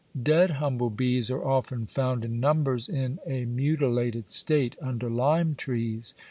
Dead humble bees are often found in numbers in a mutilated state, under lime trees.